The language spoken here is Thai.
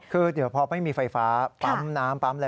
คือเดี๋ยวพอไม่มีไฟฟ้าปั๊มน้ำปั๊มแล้ว